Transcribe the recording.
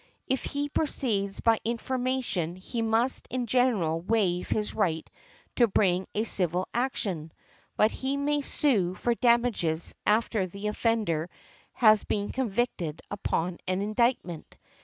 If he proceeds by information he must in general waive his right to bring a civil action; but he may sue for damages after the offender has been convicted upon an indictment.